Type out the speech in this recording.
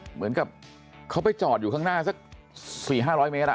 เหมือนกับเขาไปจอดอยู่ข้างหน้าสัก๔๕๐๐เมตร